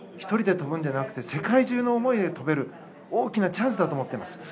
１人で跳ぶんじゃなくて世界中の思いで跳ぶ大きなチャンスだと思っています。